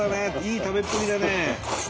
いい食べっぷりだね。